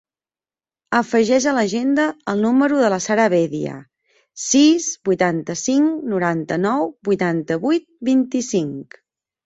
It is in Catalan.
Afegeix a l'agenda el número de la Sara Bedia: sis, vuitanta-cinc, noranta-nou, vuitanta-vuit, vint-i-cinc.